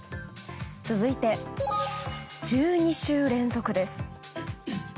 続いて、１２週連続です。